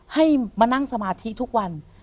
ให้มานั่งสมาธิทุกวัน